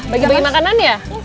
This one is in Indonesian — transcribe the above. bagi bagi makanan ya